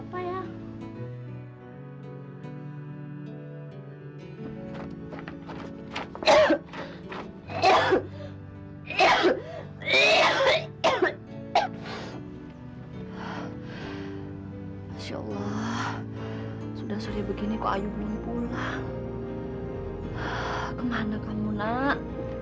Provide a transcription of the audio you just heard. ya ya ya ya masyaallah sudah sudah begini kok belum pulang ke mana kamu nak